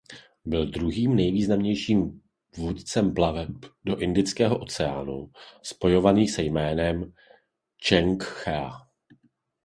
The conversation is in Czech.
Byl druhým nejvýznamnějším vůdcem plaveb do Indického oceánu spojovaných se jménem Čeng Chea.